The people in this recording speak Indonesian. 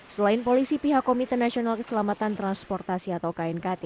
selain polisi pihak komite nasional keselamatan transportasi atau knkt